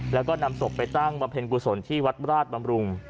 แล้วก็นำศพไปตั้งบำเพ็ญกุศลที่วัดราชบำรุง